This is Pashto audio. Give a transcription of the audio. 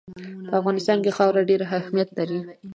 په افغانستان کې خاوره ډېر اهمیت لري.